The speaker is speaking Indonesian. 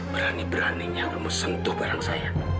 berani beraninya kamu sentuh barang saya